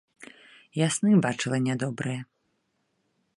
Я сны бачыла нядобрыя.